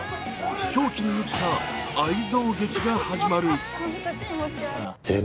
狂気に満ちた愛憎劇が始まる。